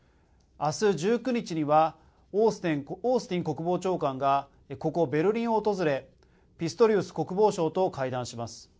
明日１９日にはオースティン国防長官がここベルリンを訪れピストリウス国防相と会談します。